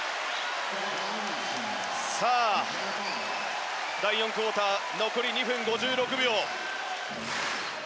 さあ、第４クオーター残り２分５６秒。